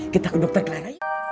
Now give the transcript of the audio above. kita ke dokter kelar